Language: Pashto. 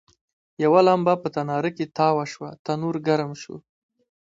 یوه لمبه په تناره کې تاوه شوه، تنور ګرم شو.